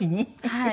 はい。